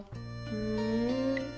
ふん。